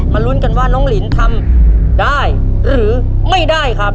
ลุ้นกันว่าน้องลินทำได้หรือไม่ได้ครับ